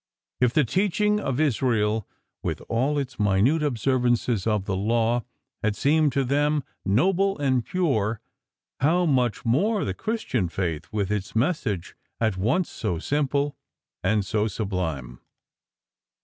If the teaching of Israel, with all its minute observances of the Law, had seemed to them noble and pure, how much more the Christian Faith witli its message at once SO simple and SO sublime.